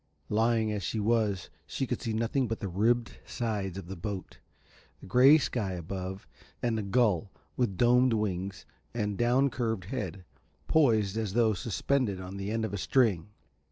Lying as she was she could see nothing but the ribbed sides of the boat, the grey sky above, and a gull with domed wings and down curved head, poised, as though suspended on the end of a string.